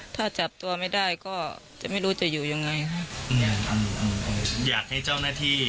ถ้าจับตัวไม่ได้ก็จะไม่รู้จะอยู่ยังไงฮะเนี่ยอยากให้เจ้าหน้าที่